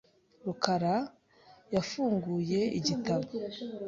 rukara yafunguye igitabo .